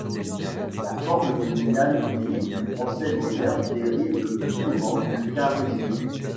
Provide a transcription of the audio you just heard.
La forme nominale unique du français moderne dérive le plus souvent du cas régime.